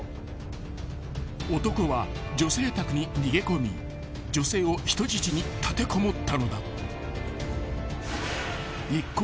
［男は女性宅に逃げ込み女性を人質に立てこもったのだ］